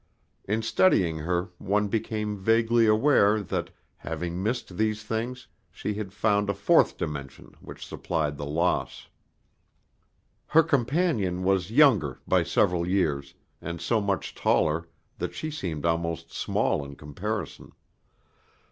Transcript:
In studying her one became vaguely aware that, having missed these things, she had found a fourth dimension which supplied the loss. Her companion was younger by several years, and so much taller that she seemed almost small in comparison.